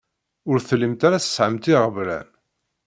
Ur tellimt ara tesɛamt iɣeblan.